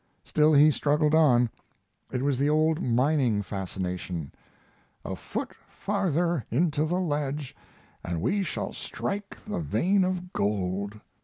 Still he struggled on. It was the old mining fascination "a foot farther into the ledge and we shall strike the vein of gold."